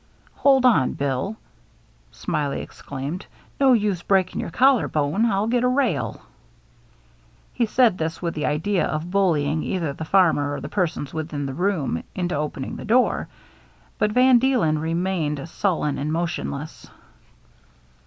"Hold on, Bill," Smiley exclaimed. "No use breaking your collar bone. I'll get a rail." He said this with the idea of bullying either the farmer or the persons within the room into opening the door, but Van Deelen remained sullen and motionless.